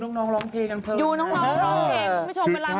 ดูน้องร้องเพลงกันเถอะ